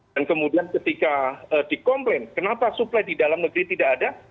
dan kemudian ketika dikomplain kenapa suplai di dalam negeri tidak ada